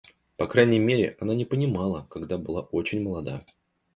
По крайней мере, она не понимала, когда была очень молода.